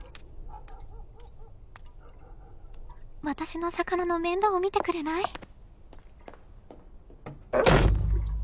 私のさかなの面倒を見てくれない？